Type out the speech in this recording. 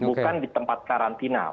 bukan di tempat karantina